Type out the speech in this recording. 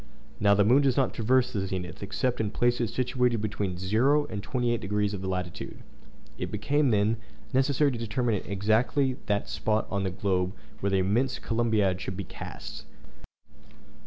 Now the moon does not traverse the zenith, except in places situated between 0° and 28° of latitude. It became, then, necessary to determine exactly that spot on the globe where the immense Columbiad should be cast.